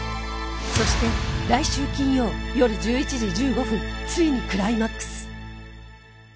そして来週金曜夜１１時１５分ついにクライマックス！